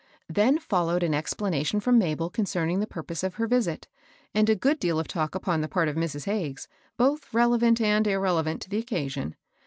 Then followed an explanation from Mabel con cerning the purpose of her visit, and a good deal of talk upon the part of Mrs. Hagges, both relevant and irrelevant to the occasion.